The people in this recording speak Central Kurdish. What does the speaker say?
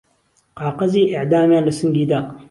قاقەزی ئیعدامیان له سنگی دا